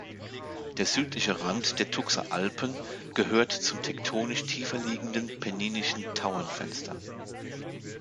Der südliche Rand der Tuxer Alpen gehört zum tektonisch tiefer liegenden penninischen "Tauernfenster".